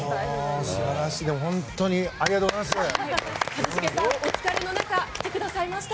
でも本当にありがとうございました。